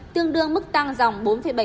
tương đương mức tăng dòng bốn bảy